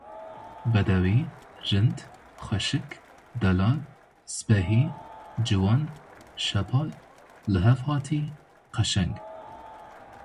Bedewî: rind, xweşik, delal, spehî, ciwan, şepal, lihevhatî, qeşeng.